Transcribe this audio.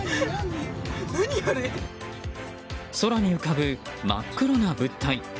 空に浮かぶ真っ黒な物体。